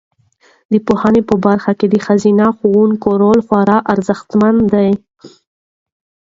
د پوهنې په برخه کې د ښځینه ښوونکو رول خورا ارزښتمن دی.